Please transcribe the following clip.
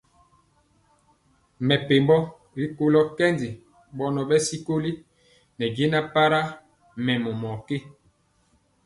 Mɛpembo rikolo kɛndi bɔnɔ bɛ sikoli ne jɛna para mɛmɔ mɔ ké.